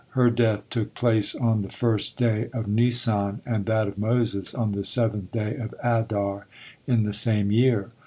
Her death took place on the first day of Nisan, and that of Moses on the seventh day of Adar in the same year.